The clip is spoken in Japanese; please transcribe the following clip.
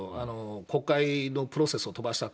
国会のプロセスを飛ばしたと。